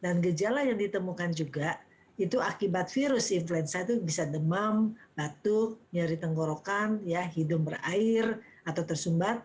dan gejala yang ditemukan juga itu akibat virus influenza itu bisa demam batuk nyari tenggorokan hidung berair atau tersumbat